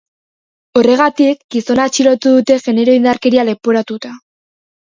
Horregatik, gizona atxilotu dute genero indarkeria leporatuta.